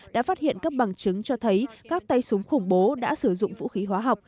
đã phát hiện các bằng chứng cho thấy các tay súng khủng bố đã sử dụng vũ khí hóa học